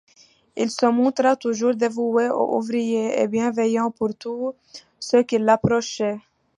Il se montra toujours dévoué aux ouvriers, et bienveillant pour tous ceux qui l’approchaient.